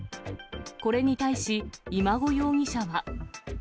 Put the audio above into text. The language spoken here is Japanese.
これに対し、今後容疑者は。